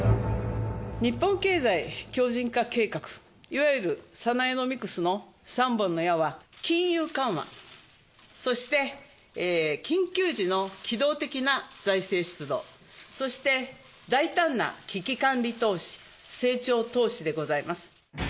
日本経済強じん化計画、いわゆるサナエノミクスの３本の矢は、金融緩和、そして緊急時の機動的な財政出動、そして大胆な危機管理投資、成長投資でございます。